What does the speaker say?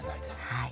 はい。